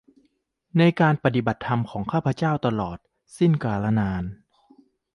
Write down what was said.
ในการปฏิบัติธรรมของข้าพเจ้าตลอดสิ้นกาลนาน